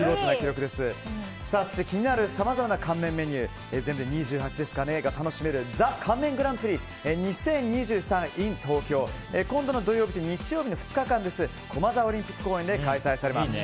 気になるさまざまな乾麺メニューが楽しめる全部で２８種類が楽しめるＴｈｅ乾麺グランプリｉｎＴｏｋｙｏ２０２３は今度の土曜日と日曜日の２日間駒沢オリンピック公園で開催されます。